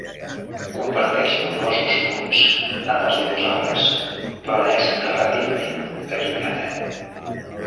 Comparteix nombrosos punts amb els dinosaures però n'és relativament allunyada.